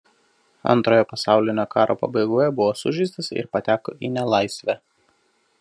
Antrojo pasaulinio karo pabaigoje buvo sužeistas ir pateko į nelaisvę.